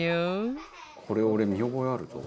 「これ俺見覚えあるぞ」